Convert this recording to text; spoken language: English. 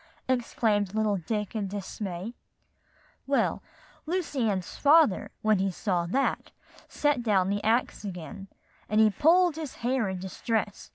exclaimed little Dick in dismay. "Well, Lucy Ann's father, when he saw that, set down the axe again, and he pulled his hair in distress.